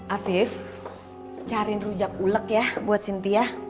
afif cariin rujak ulek ya buat cynthia